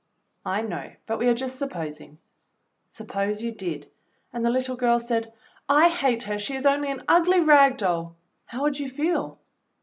"I know, but we are just supposing. Suppose you did, and the little girl said, 'I hate her, she is only an ugly rag doll,' how would you feel.